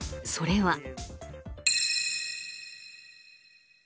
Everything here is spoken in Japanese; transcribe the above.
それは。